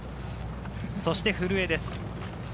そして古江です。